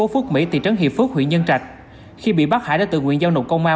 hiệp phước huyện nhân trạch khi bị bắt hải đã tự nguyện giao nộp công an